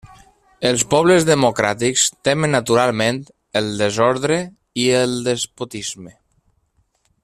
Els pobles democràtics temen naturalment el desordre i el despotisme.